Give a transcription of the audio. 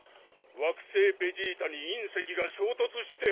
惑星ベジータに隕石が衝突して。